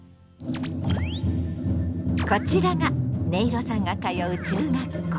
こちらがねいろさんが通う中学校。